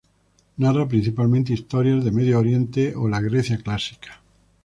Narra principalmente historias de medio oriente o la Grecia clásica.